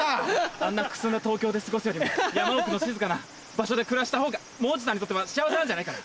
あんな苦痛な東京で過ごすよりも山奥の静かな場所で暮らしたほうが「もう中さん」にとっては幸せなんじゃないかな？